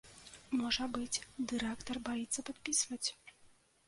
Можа быць, дырэктар баіцца падпісваць.